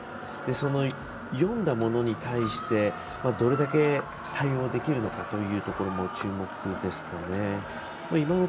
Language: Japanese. その読んだものに対してどれだけ対応できるのかというところも注目ですかね。